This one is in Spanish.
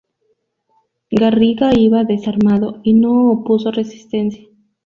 Garriga iba desarmado y no opuso resistencia.